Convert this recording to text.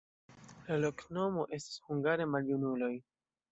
La loknomo estas hungare: maljunuloj.